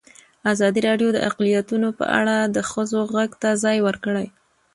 ازادي راډیو د اقلیتونه په اړه د ښځو غږ ته ځای ورکړی.